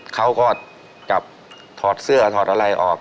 เขาก็กลับถอดเสื้อถอดอะไรออก